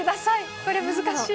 これ、難しい。